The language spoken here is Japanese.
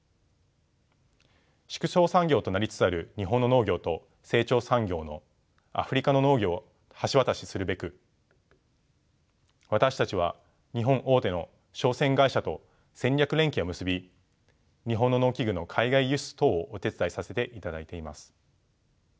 縮小産業となりつつある日本の農業と成長産業のアフリカの農業を橋渡しするべく私たちは日本大手の商船会社と戦略連携を結び日本の農機具の海外輸出等をお手伝いさせていただいています。